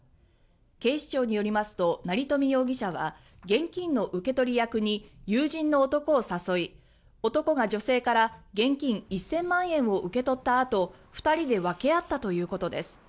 警視庁によりますと成富容疑者は現金の受け取り役に友人の男を誘い男が女性から現金１０００万円を受け取ったあと２人で分け合ったということです。